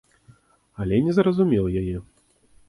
Але не разумеў яе.